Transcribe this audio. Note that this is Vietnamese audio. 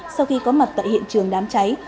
sau khi có mặt tại hiện trường đám cháy